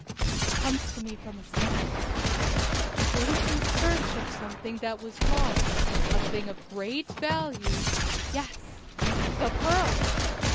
It comes to me from his thoughts. He went in search of something that was lost a thing of great value. Yes, the pearls!"